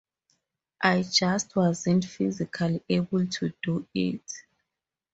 I just wasn't physically able to do it.